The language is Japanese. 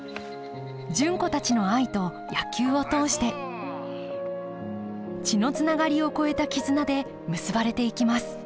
純子たちの愛と野球を通して血のつながりを超えた絆で結ばれていきます